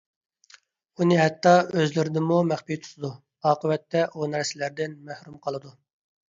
ئۇنى ھەتتا ئۆزلىرىدىنمۇ مەخپى تۇتىدۇ. ئاقىۋەتتە ئۇ نەرسىلەردىن مەھرۇم قالىدۇ.